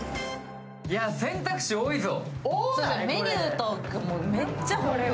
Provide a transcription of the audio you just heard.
いや、選択肢多いぞ。